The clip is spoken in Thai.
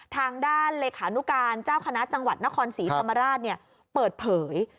ทางด้านเลขานุการเจ้าคณะจังหวัดนครศรีธรรมราชเปิดเผย